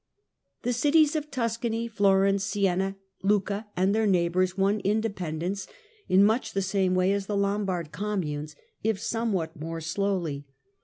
The cities of Tuscany, Florence, Siena, Lucca, and their neighbours, won independence in much the same way as the Lombard communes, if somewhat more slowly.